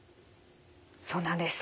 そうなんです。